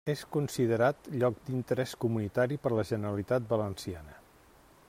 És considerat Lloc d'Interés Comunitari per la Generalitat Valenciana.